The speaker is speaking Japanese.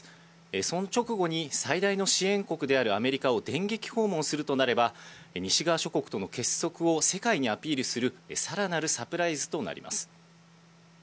その直後に最大の支援国であるアメリカを電撃訪問するとなれば、西側諸国との結束を世界にアピールするさらなるサプライズとなります。